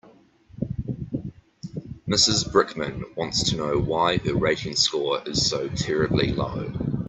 Mrs Brickman wants to know why her rating score is so terribly low.